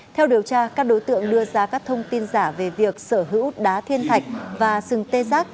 theo điều tra các đối tượng đưa ra các thông tin giả về việc sở hữu đá thiên thạch và sừng tê giác